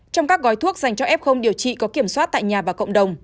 trong các gói thuốc dành cho f điều trị có kiểm soát tại nhà và cộng đồng